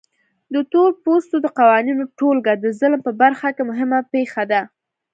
د تورپوستو د قوانینو ټولګه د ظلم په برخه کې مهمه پېښه ده.